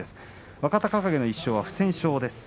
若隆景の１勝は不戦勝です。